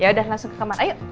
yaudah langsung ke kamar ayo